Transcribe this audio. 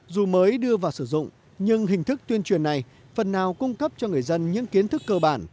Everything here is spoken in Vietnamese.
dù mới đưa vào sử dụng nhưng hình thức tuyên truyền này phần nào cung cấp cho người dân những kiến thức cơ bản